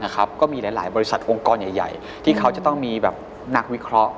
ก็มีหลายบริษัทองค์กรใหญ่ที่เขาจะต้องมีนักวิเคราะห์